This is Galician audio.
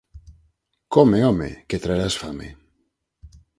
Come, home, que traerás fame.